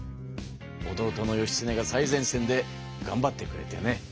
弟の義経が最前線でがんばってくれてね